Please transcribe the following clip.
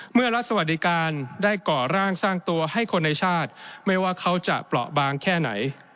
รัฐสวัสดิการได้ก่อร่างสร้างตัวให้คนในชาติไม่ว่าเขาจะเปราะบางแค่ไหน